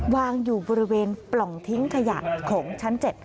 วางอยู่บริเวณปล่องทิ้งขยะของชั้น๗